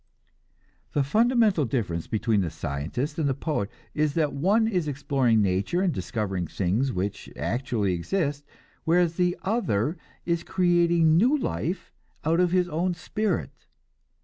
The fundamental difference between the scientist and the poet is that one is exploring nature and discovering things which actually exist, whereas the other is creating new life out of his own spirit.